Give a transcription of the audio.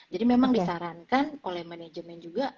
jadi memang disarankan oleh manajemen juga